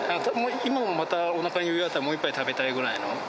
今もまたおなかに余裕があったらもう一杯食べたいぐらいの。